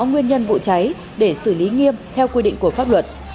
nguyên nhân vụ cháy để xử lý nghiêm theo quy định của pháp luật